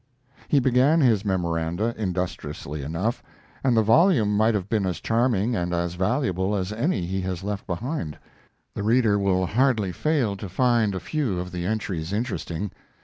He began his memoranda industriously enough, and the volume might have been as charming and as valuable as any he has left behind. The reader will hardly fail to find a few of the entries interesting.